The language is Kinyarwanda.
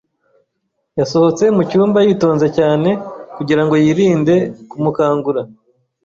Yasohotse mucyumba yitonze cyane kugirango yirinde kumukangura.